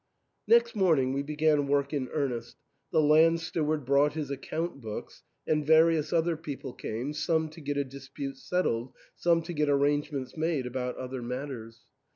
Next morning we began work in earnest ; the land steward brought his account books, and various other people came, some to get a dispute settled, some to get arrangements made about other matters.